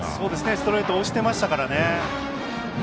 ストレート押してましたからね。